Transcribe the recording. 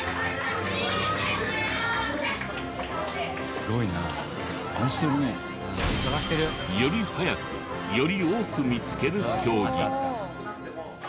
すごいな。より速くより多く見つける競技。